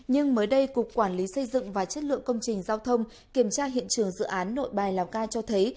nhưng mới đây cục quản lý xây dựng và chất lượng công trình giao thông kiểm tra hiện trường dự án nội bài lào cai cho thấy